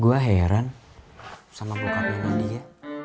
gue heran sama bokapnya nandika